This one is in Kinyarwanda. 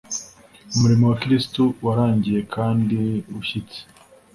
umurimo wa Kristo warangiye kandi ushyitse.